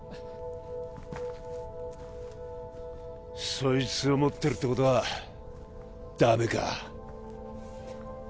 そいつを持ってるってことはダメか？